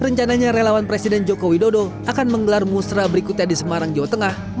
rencananya relawan presiden jokowi dodo akan menggelar musyara berikutnya di semarang jawa tengah